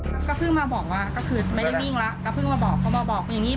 มันก็ไปไหนอะไรกันไม่ได้อยู่แล้วอย่างเงี้ย